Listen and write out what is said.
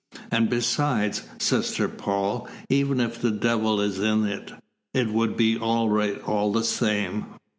"And besides, Sister Paul, even if the devil is in it, it would be right all the same."